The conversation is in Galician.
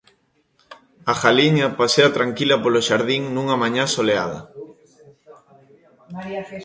A galiña pasea tranquila polo xardín nunha mañá soleada.